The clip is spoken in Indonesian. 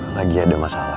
lagi ada masalah